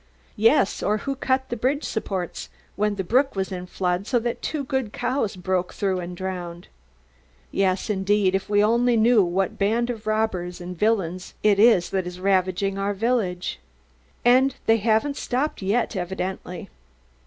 "Yes, or who cut the bridge supports, when the brook was in flood, so that two good cows broke through and drowned?" "Yes, indeed, if we only knew what band of robbers and villains it is that is ravaging our village." "And they haven't stopped yet, evidently."